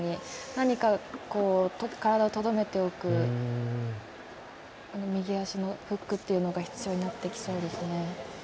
何か、体をとどめておく右足のフックっていうのが必要になってきそうですね。